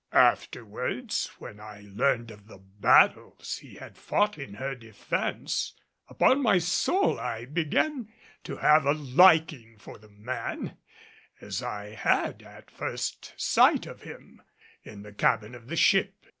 Afterwards, when I learned of the battles he had fought in her defense, upon my soul I began to have a liking for the man, as I had at first sight of him, in the cabin of the ship.